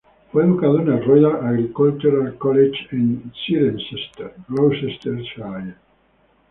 Fue educado en el Royal Agricultural College en Cirencester, Gloucestershire.